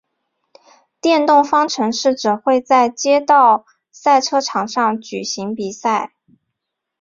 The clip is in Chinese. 电动方程式只会在街道赛车场上举行比赛。